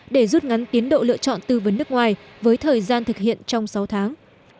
để rút ngắn tiến độ lựa chọn tư vấn nước ngoài với thời gian thực hiện trong sáu tháng